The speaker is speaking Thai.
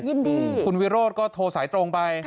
ยินดีคุณวิโรธก็โทรสายตรงไป